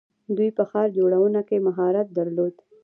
دوی په ښار جوړونه کې مهارت درلود.